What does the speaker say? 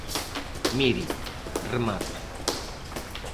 Mire, remato.